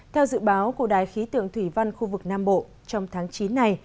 theo dự báo của đài khí tượng thủy văn khu vực nam bộ trong tháng chín này